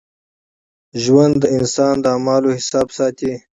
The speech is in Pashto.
ژوند د انسان د اعمالو حساب ساتي.